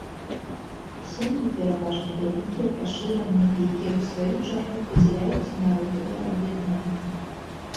Сем'і пераважна вялікія пашыраныя, якія ў сваю чаргу падзяляюцца на родавыя аб'яднанні.